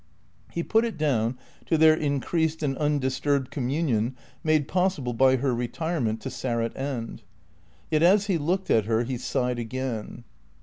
He put it down to their increased and undisturbed communion made possible by her retirement to Sarratt End. Yet as he looked at her he sighed again.